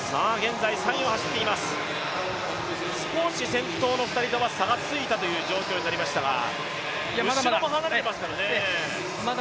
少し先頭の２人とは差がついたという状況になりましたが、後ろも離れていますからね。